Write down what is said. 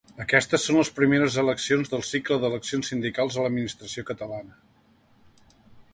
Aquestes són les primeres eleccions del cicle d’eleccions sindicals a l’administració catalana.